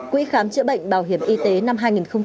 quỹ khám chữa bệnh bảo hiểm y tế năm hai nghìn một mươi năm